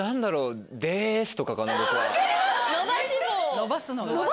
・伸ばすのが。